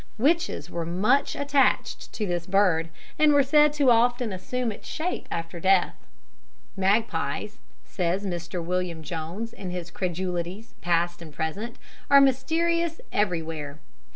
Witches were much attached to this bird, and were said to often assume its shape after death. "Magpies," says Mr. William Jones, in his Credulities, Past and Present, "are mysterious everywhere.